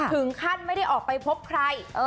ถึงขั้นไม่ได้ออกไปพบใคร